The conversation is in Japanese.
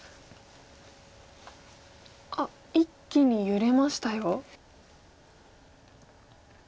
あっ一気に揺れましたよ。